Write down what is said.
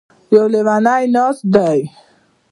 يـو ليونی نـاست دی.